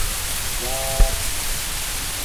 زاپ